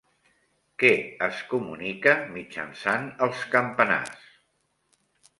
Què es comunica mitjançant els campanars?